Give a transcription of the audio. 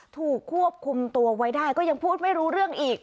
ถูกควบคุมตัวไว้ได้ก็ยังพูดไม่รู้เรื่องอีก